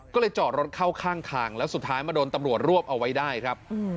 ก็เลยจอดรถเข้าข้างทางแล้วสุดท้ายมาโดนตำรวจรวบเอาไว้ได้ครับ